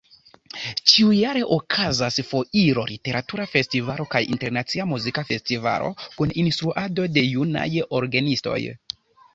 Ĉiujare okazas foiro, literatura festivalo kaj internacia muzika festivalo kun instruado de junaj orgenistoj.